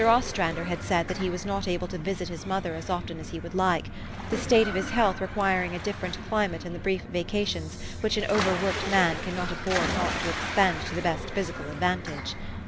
Ostrander had said that he was not able to visit his mother as often as he would like ; the state of his health requiring a different climate in the brief vacations which an over worked man cannot afford not to expend to the best physi cal advantage.